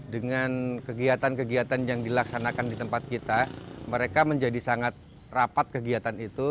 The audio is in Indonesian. dengan kegiatan kegiatan yang dilaksanakan di tempat kita mereka menjadi sangat rapat kegiatan itu